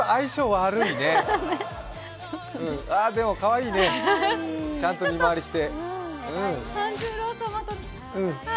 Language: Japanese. ああ、でもかわいいね、ちゃんと見回りして。